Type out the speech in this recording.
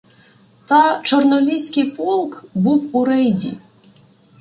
Та Чорноліський полк був у рейді.